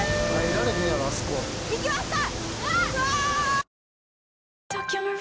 ・いきました！